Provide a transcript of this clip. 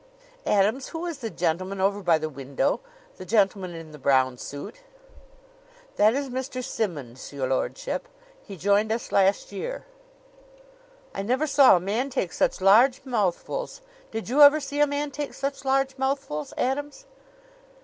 "Adams, who is the gentleman over by the window the gentleman in the brown suit?" "That is Mr. Simmonds, your lordship. He joined us last year." "I never saw a man take such large mouthfuls. Did you ever see a man take such large mouthfuls, Adams?"